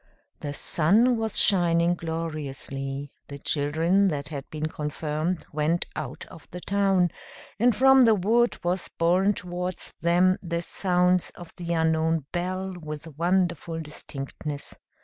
The sun was shining gloriously; the children that had been confirmed went out of the town; and from the wood was borne towards them the sounds of the unknown bell with wonderful distinctness.